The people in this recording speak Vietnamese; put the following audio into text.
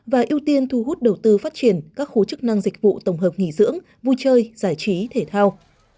và ưu tiên thu hút đầu tư phát triển các khối chức năng dịch vụ tổng hợp nghỉ dưỡng vui chơi giải trí thể thao